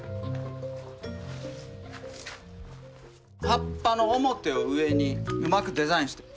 葉っぱの表を上にうまくデザインして。